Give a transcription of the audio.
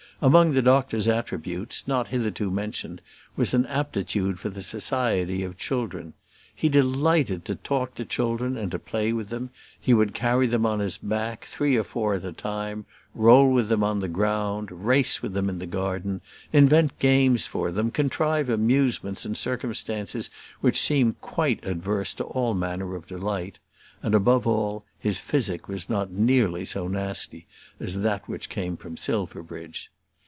Among the doctor's attributes, not hitherto mentioned, was an aptitude for the society of children. He delighted to talk to children, and to play with them. He would carry them on his back, three or four at a time, roll with them on the ground, race with them in the garden, invent games for them, contrive amusements in circumstances which seemed quite adverse to all manner of delight; and, above all, his physic was not nearly so nasty as that which came from Silverbridge.